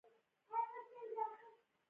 خندا: کله چې ژوند سخت وي. خندا وړیا خوښي راکوي.